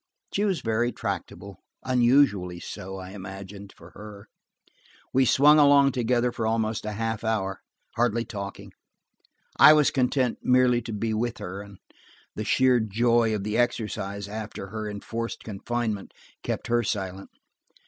She was very tractable–unusually so, I imagined, for her. We swung along together for almost a half hour, hardly talking. I was content merely to be with her; and the sheer joy of the exercise after her enforced confinement kept her silent.